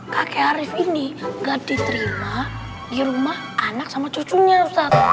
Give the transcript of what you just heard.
kakek arief ini gak diterima di rumah anak sama cucunya ustadz